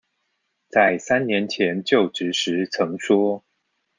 在三年前就職時曾說